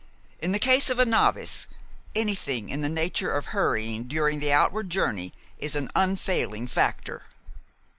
In the case of a novice, anything in the nature of hurrying during the outward journey is an unfailing factor."